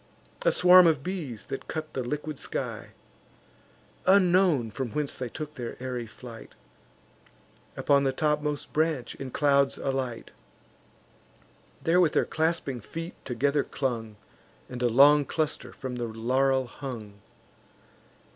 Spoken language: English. A swarm of bees, that cut the liquid sky, Unknown from whence they took their airy flight, Upon the topmost branch in clouds alight; There with their clasping feet together clung, And a long cluster from the laurel hung.